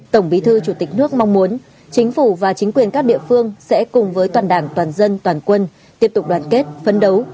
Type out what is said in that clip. tổng bí thư chủ tịch nước mong muốn chính phủ và chính quyền các địa phương sẽ cùng với toàn đảng toàn dân toàn quân tiếp tục đoàn kết phấn đấu